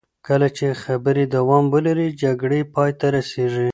کله چې خبرې دوام ولري، جګړې پای ته رسېږي.